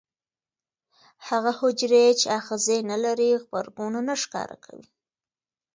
هغه حجرې چې آخذې نه لري غبرګون نه ښکاره کوي.